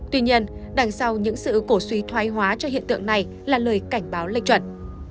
tuy nhiên đằng sau những sự cổ suý thoái hóa cho hiện tượng này là lời cảnh báo lên chuẩn